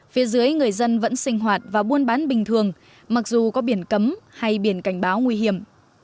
phía dưới người dân vẫn sinh hoạt và buôn bán bình thường mặc dù có biển cấm hay biển cảnh báo nguy hiểm